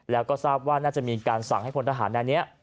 แล้วก็ทราบว่าน่าจะมีการสั่งให้พลทหารในนี้